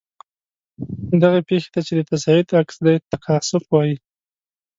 دغې پیښې ته چې د تصعید عکس دی تکاثف وايي.